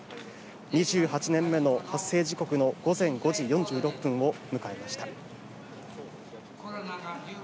２８年目の発生時刻の午前５時４６分を迎えました。